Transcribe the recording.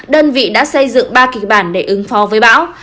đơn vị đã xây dựng ba kịch bản để ứng phó với bão